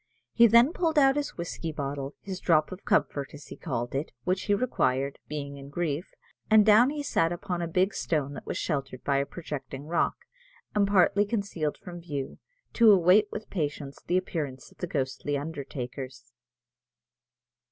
He then pulled out his whiskey bottle, his drop of comfort, as he called it, which he required, being in grief; and down he sat upon a big stone that was sheltered by a projecting rock, and partly concealed from view, to await with patience the appearance of the ghostly undertakers.